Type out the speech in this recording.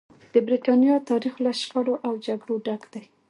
د برېټانیا تاریخ له شخړو او جګړو ډک دی.